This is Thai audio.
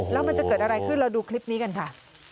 แล้วมันจะเกิดอะไรขึ้นเราดูคลิปนี้กันค่ะ